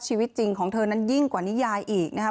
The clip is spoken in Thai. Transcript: ชีวิตจริงของเธอนั้นยิ่งกว่านิยายอีกนะคะ